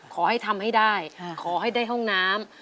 ขอให้ทำให้ได้ขอให้ได้ห้องน้ำ